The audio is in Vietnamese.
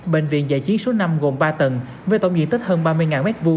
bệnh viện giải chiến số năm gồm ba tầng với tổng diện tích hơn ba mươi m hai